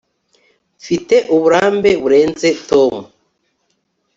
mfite uburambe burenze tom